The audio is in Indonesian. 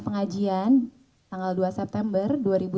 pengajian tanggal dua september